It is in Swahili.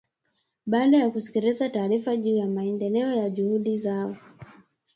baada ya kusikiliza taarifa juu ya maendeleo ya juhudi hizo